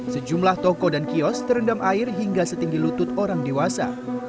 sejumlah toko dan kios terendam air hingga setinggi lutut orang dewasa